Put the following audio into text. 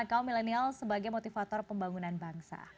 kaum milenial sebagai motivator pembangunan bangsa